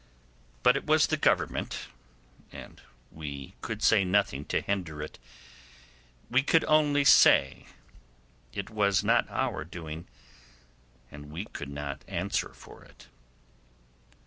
But it was the Government, and we could say nothing to hinder it; we could only say it was not our doing, and we could not answer for it.